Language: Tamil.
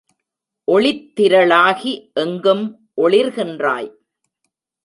ஒளித்திரளாகி எங்கும் ஒளிர்கின்றாய்.